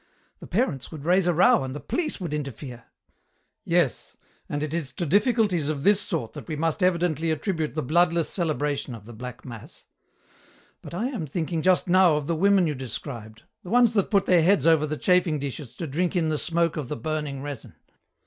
The parents would raise a row and the police would interfere." "Yes, and it is to difficulties of this sort that we must evidently attribute the bloodless celebration of the Black Mass. But I am thinking just now of the women you described, the ones that put their heads over the chafing dishes to drink in the smoke of the burning resin.